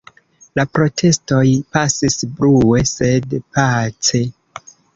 La protestoj pasis brue, sed pace.